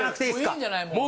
いいんじゃない？